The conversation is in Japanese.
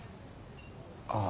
ああ。